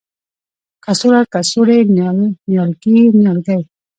کڅوړه ، کڅوړې ،نیال، نيالګي، نیالګی